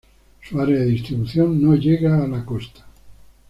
Su área de distribución no llega a la costa.